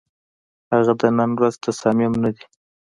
هغه د نن ورځ تصامیم نه دي،